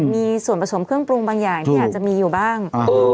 มีส่วนผสมเครื่องปรุงบางอย่างที่อาจจะมีอยู่บ้าง